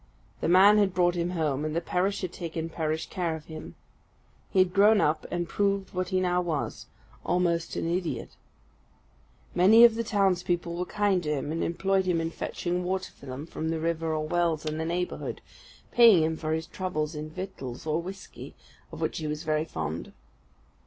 The man had brought him home, and the parish had taken parish care of him. He had grown up, and proved what he now was almost an idiot. Many of the townspeople were kind to him, and employed him in fetching water for them from the river or wells in the neighbourhood, paying him for his trouble in victuals, or whisky, of which he was very fond.